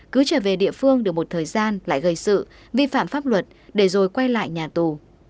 cứ trở về địa phương được một thời gian lại gây sự vi phạm pháp luật để rồi quay lại nhà tù